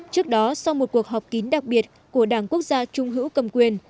trước đó sau một cuộc họp kín đặc biệt của đảng quốc gia trung hữu cầm quyền